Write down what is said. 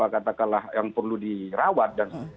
katakanlah yang perlu dirawat